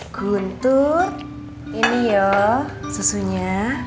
guntur ini yoo susunya